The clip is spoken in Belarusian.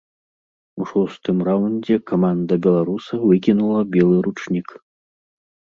У шостым раўндзе каманда беларуса выкінула белы ручнік.